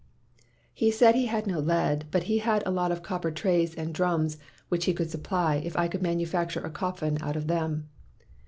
'' He said he had no lead but he had a lot 181 WHITE MAN OF WORK of copper trays and drums which he would supply, if I could manufacture a coffin out of them.